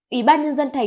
ủy ban nhân dân tp hcm